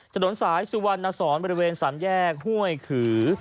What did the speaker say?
ถนนสายสุวรรณสอนบริเวณสามแยกห้วยขือ